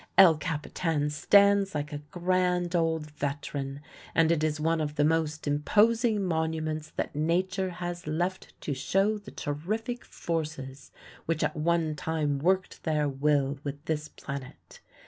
El Capitan stands like a grand old veteran, and it is one of the most imposing monuments that nature has left to show the terrific forces which at one time worked their will with this planet.